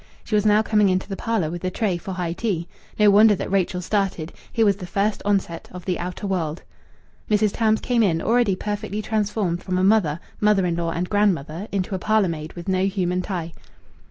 She was now coming into the parlour with the tray for high tea. No wonder that Rachel started. Here was the first onset of the outer world. Mrs. Tams came in, already perfectly transformed from a mother, mother in law, and grandmother into a parlour maid with no human tie.